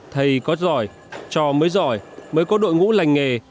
thầy có giỏi trò mới giỏi mới có đội ngũ lành nghề